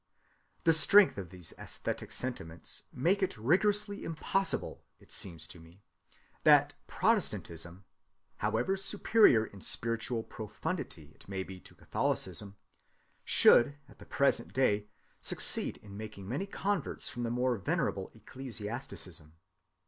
The strength of these æsthetic sentiments makes it rigorously impossible, it seems to me, that Protestantism, however superior in spiritual profundity it may be to Catholicism, should at the present day succeed in making many converts from the more venerable ecclesiasticism.